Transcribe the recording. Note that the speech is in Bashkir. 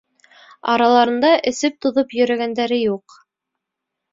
Араларында эсеп-туҙып йөрөгәндәре юҡ.